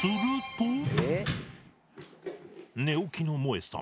寝起きのもえさん